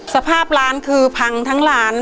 สภาพร้านคือพังทั้งร้าน